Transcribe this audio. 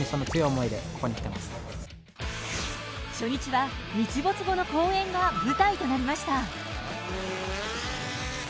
初日は日没後の公園が舞台となりました。